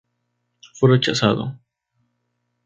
Fue rechazado.